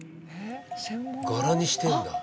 柄にしてるんだ。